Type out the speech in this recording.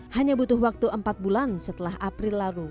hanya butuh waktu empat bulan setelah april lalu